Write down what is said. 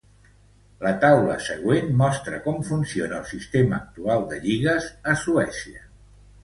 La taula següent mostra com funciona el sistema actual de lligues a Suècia.